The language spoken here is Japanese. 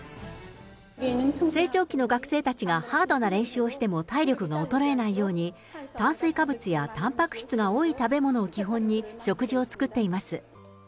成長期の学生たちがハードな練習をしても体力が衰えないように、炭水化物やたんぱく質が多い食べ物を基本に食事を作っています。